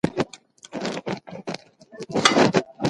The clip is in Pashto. دښمن په یو ګوزار سره مات کړه.